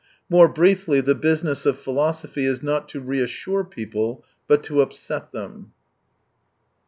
More briefly, the business qf philosophy is nat to reassure people, but to upset them.